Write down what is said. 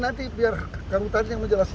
nanti biar karutan yang menjelaskan